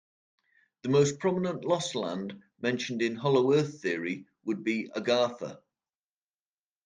The most prominent lost land mentioned in Hollow Earth theory would be Agartha.